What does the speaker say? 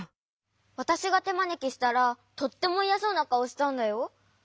わたしがてまねきしたらとってもいやそうなかおしたんだよ。